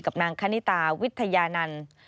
นางคณิตาวิทยานันต์